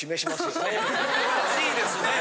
・優しいですね・